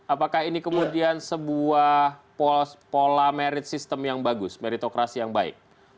apakah ini kemudian sebuah pola merit system yang bagus meritokrasi yang baik